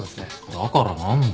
だから何だよ？